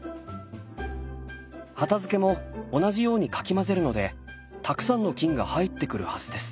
畑漬も同じようにかき混ぜるのでたくさんの菌が入ってくるはずです。